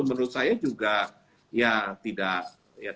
menurut saya juga tidak kasian juga